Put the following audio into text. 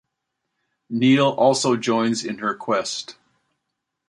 Neel also joins in her quest.